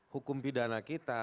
hukum pidana kita